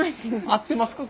合ってますか？